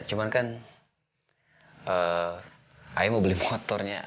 cuman kan ayo mau beli motornya